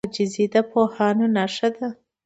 عاجزي د پوهانو نښه ده.